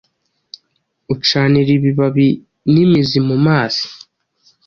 ucanira ibibabi n’imizi mu mazi